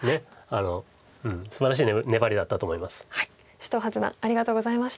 首藤八段ありがとうございました。